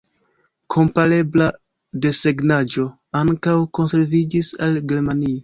Komparebla desegnaĵo ankaŭ konserviĝis el Germanio.